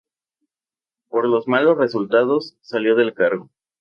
Por los malos resultados salió del cargo.